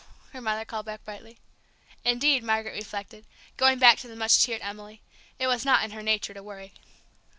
her mother called back brightly. Indeed, Margaret reflected, going back to the much cheered Emily, it was not in her nature to worry.